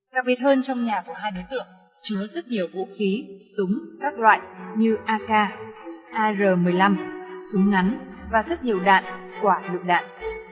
đặc biệt hơn trong nhà của hai đối tượng chứa rất nhiều vũ khí súng các loại như ak ar một mươi năm súng ngắn và rất nhiều đạn quả lựu đạn